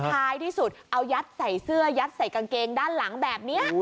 ท้ายที่สุดเอายัดใส่เสื้อยัดใส่กางเกงด้านหลังแบบนี้